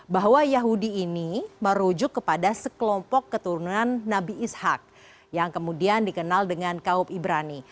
bahwa yahudi ini merujuk kepada sekelompok keturunan nabi ishak yang kemudian dikenal dengan kaum ibrani